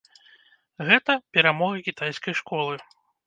Гэта перамога кітайскай школы.